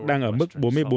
đang ở mức bốn mươi bốn bảy